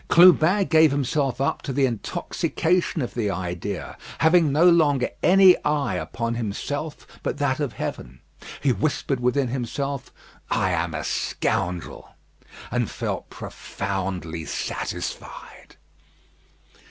Clubin gave himself up to the intoxication of the idea, having no longer any eye upon him but that of Heaven. He whispered within himself, "I am a scoundrel," and felt profoundly satisfied.